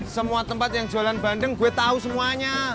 semua tempat yang jualan bandeng gue tahu semuanya